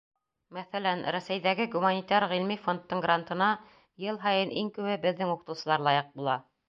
Мәҫәлән, Рәсәйҙәге Гуманитар ғилми фондтың грантына йыл һайын иң күбе беҙҙең уҡытыусылар лайыҡ була.